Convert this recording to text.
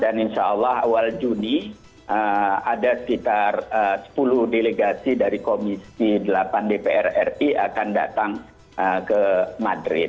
dan insya allah awal juni ada sekitar sepuluh delegasi dari komisi delapan dpr ri akan datang ke madrid